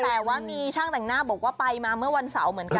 แต่ว่ามีช่างแต่งหน้าบอกว่าไปมาเมื่อวันเสาร์เหมือนกัน